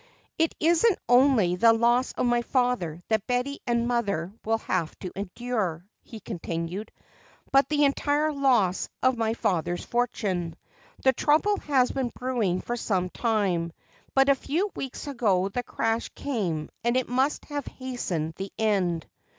"It isn't only the loss of my father that Betty and mother will have to endure," he continued, "but the entire loss of my father's fortune. The trouble has been brewing for some time, but a few weeks ago the crash came and it must have hastened the end."